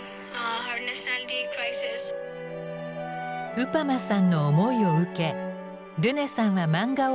ウパマさんの思いを受けルネさんは漫画を完成。